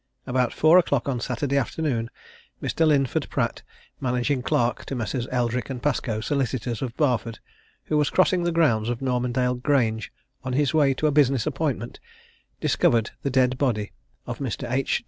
About four o'clock on Saturday afternoon, Mr. Linford Pratt, managing clerk to Messrs. Eldrick & Pascoe, Solicitors, of Barford, who was crossing the grounds of Normandale Grange on his way to a business appointment, discovered the dead body of Mr. H.